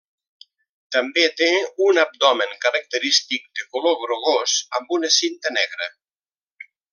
També té un abdomen característic de color grogós amb una cinta negra.